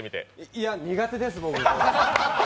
いや、苦手です、僕。